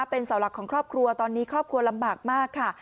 เป็นเสาหลักของครอบครัวตอนนี้ครอบครัวลำบากมากค่ะ